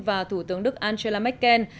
và thủ tướng đức angela merkel